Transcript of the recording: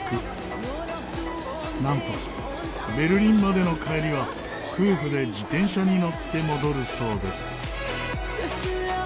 なんとベルリンまでの帰りは夫婦で自転車に乗って戻るそうです。